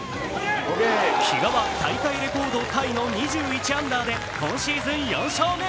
比嘉は大会レコードタイの２１アンダーで、今シーズン４勝目。